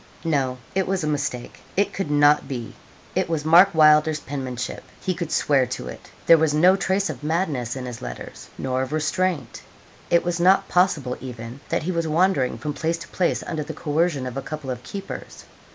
No, it was a mistake; it could not be. It was Mark Wylder's penmanship he could swear to it. There was no trace of madness in his letters, nor of restraint. It was not possible even that he was wandering from place to place under the coercion of a couple of keepers.